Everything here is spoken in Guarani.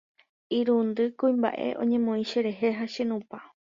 Irundy kuimbaʼe oñemoĩ cherehe ha chenupã.